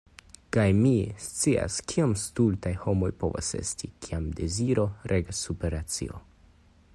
Kaj mi scias kiom stultaj homoj povas esti, kiam deziro regas super racio....